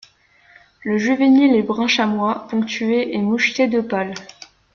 Le juvénile est brun chamois ponctué et moucheté de pâle.